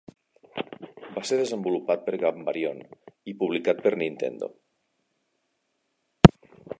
Va ser desenvolupat per Ganbarion i publicat per Nintendo.